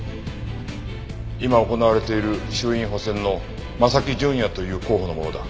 今行われている衆院補選の真崎純也という候補のものだ。